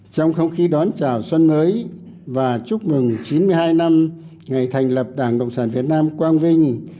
trong không khí đón chào xuân mới và chúc mừng chín mươi hai năm ngày thành lập đảng cộng sản việt nam quang vinh